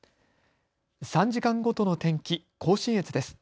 ３時間ごとの天気、甲信越です。